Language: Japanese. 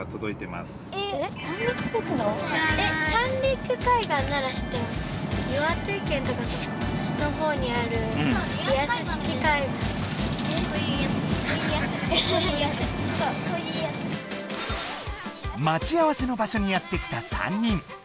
まち合わせの場所にやって来た３人。